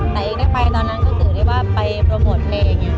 แต่เองได้ไปตอนนั้นก็ถือได้ว่าไปโปรโมทเพลง